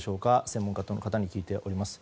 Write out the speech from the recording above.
専門家の方に聞いております。